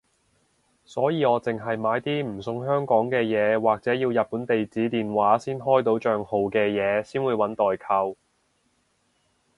所以我淨係買啲唔送香港嘅嘢或者要日本地址電話先開到帳號嘅嘢先會搵代購